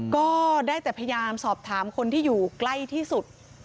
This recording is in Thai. ก็ได้แต่พยายามสอบถามคนที่อยู่ใกล้ที่สุด